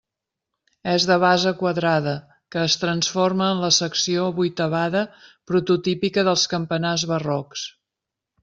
És de base quadrada, que es transforma en la secció vuitavada prototípica dels campanars barrocs.